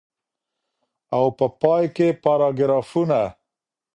او په پای کي پاراګرافونه.